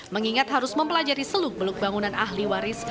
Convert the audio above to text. mengingat harus mempelajari seluk beluk bangunan ahli waris